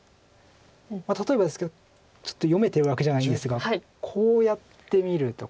例えばですけどちょっと読めてるわけじゃないんですがこうやってみるとか。